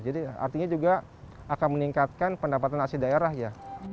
jadi artinya juga akan meningkatkan pendapatan asli daerah ya